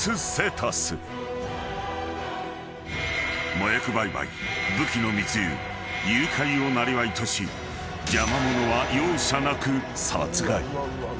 ［麻薬売買武器の密輸誘拐をなりわいとし邪魔者は容赦なく殺害］